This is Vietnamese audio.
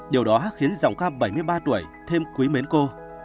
điều đó khiến giọng ca bảy mươi ba tuổi thêm quý mến cô